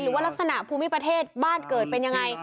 ลักษณะภูมิประเทศบ้านเกิดเป็นยังไง